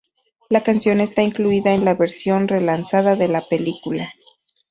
La canción está incluida en la versión relanzada de la película.